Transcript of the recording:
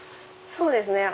そうですね。